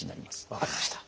分かりました。